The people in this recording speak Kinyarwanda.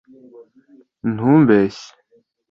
ntumbeshye